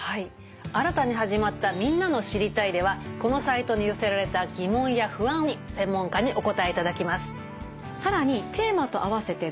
新たに始まった「みんなの『知りたい！』」ではこのサイトに寄せられた疑問や不安に専門家にお答えいただきます。